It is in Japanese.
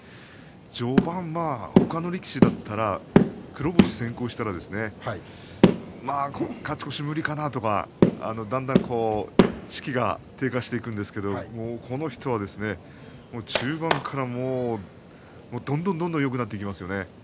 序盤、他の力士だったら黒星先行したらですね勝ち越し無理かなとかだんだん志気が低下していくんですけどこの人は中盤から、どんどんどんどんよくなっていきますよね。